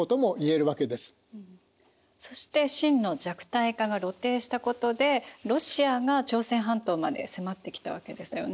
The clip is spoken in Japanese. そして清の弱体化が露呈したことでロシアが朝鮮半島まで迫ってきたわけですよね。